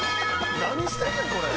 何してんねんこれ！